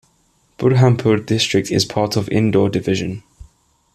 Burhanpur District is part of Indore Division.